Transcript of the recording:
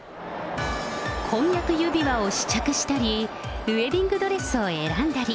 婚約指輪を試着したり、ウエディングドレスを選んだり。